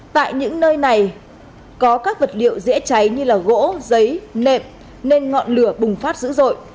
tại những nơi này có các vật liệu dễ cháy như gỗ giấy nệm nên ngọn lửa bùng phát dữ dội